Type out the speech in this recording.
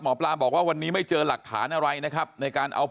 หมอปลาบอกว่าวันนี้ไม่เจอหลักฐานอะไรนะครับในการเอา